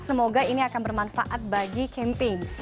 semoga ini akan bermanfaat bagi camping